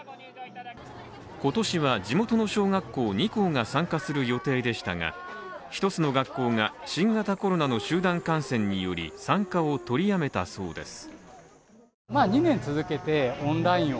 今年は地元の小学校２校が参加する予定でしたが、１つの学校が新型コロナの集団感染により参加をとりやめたそうです。